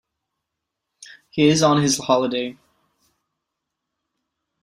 He is on his holiday.